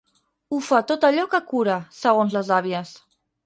Ho fa tot allò que cura, segons les àvies.